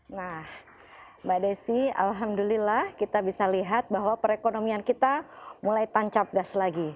nah mbak desi alhamdulillah kita bisa lihat bahwa perekonomian kita mulai tancap gas lagi